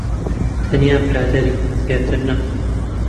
تەنیا برادەرین. زیاتر نا.